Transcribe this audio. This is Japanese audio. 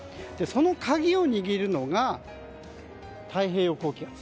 その鍵を握るのが太平洋高気圧。